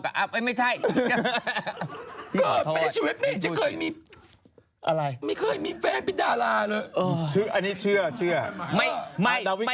เกิดไปชีวิตไม่เคยมีแฟนเป็นดาราเลย